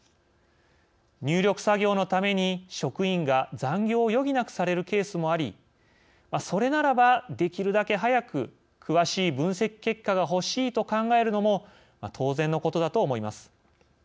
入力作業のために職員が残業を余儀なくされるケースもあり「それならば、できるだけ早く詳しい分析結果がほしい」と考えるのも当然のことだと思います。